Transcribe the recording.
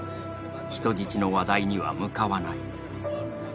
人質の話題には向かわない。